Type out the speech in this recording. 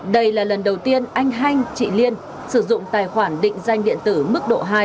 đây là lần đầu tiên anh hanh chị liên sử dụng tài khoản định danh điện tử mức độ hai